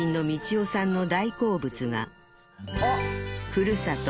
ふるさと